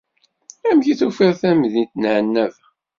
Amek i tufiḍ tamdint n ɛennaba?